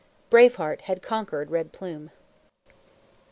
Brave Heart had conquered Red Plume.